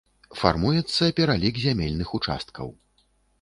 Фармуецца пералік зямельных участкаў.